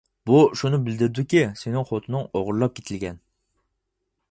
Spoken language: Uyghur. بۇ شۇنى بىلدۈرىدۇكى، سېنىڭ خوتۇنۇڭ ئوغرىلاپ كېتىلگەن.